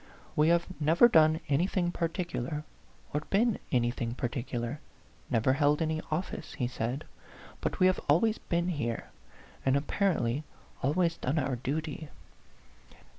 " We have never done anything particular, or been anything particular never held any office," he said; "but we have always been here, and apparently always done our duty.